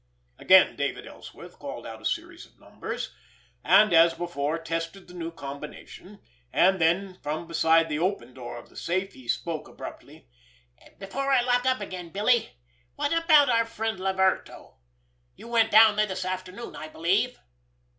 Again David Ellsworth called out a series of numbers, and as before tested the new combination; and then, from beside the open door of the safe, he spoke abruptly: "Before I lock up again, Billy, what about our friend Laverto? You went down there this afternoon, I believe?"